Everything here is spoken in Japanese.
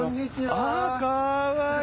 あかわいい。